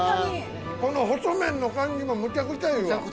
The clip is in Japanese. この細麺の感じもむちゃくちゃいいわ。